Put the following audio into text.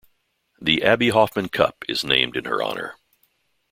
The Abby Hoffman Cup is named in her honour.